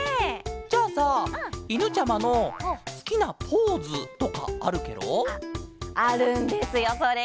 じゃあさいぬちゃまのすきなポーズとかあるケロ？あるんですよそれが。